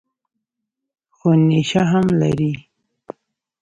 خو نېشه هم لري.